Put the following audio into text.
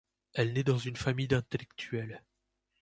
Elle naît dans une famille d'intellectuels.